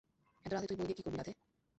এতো রাতে তুই বই দিয়ে কি করবি, রাধে?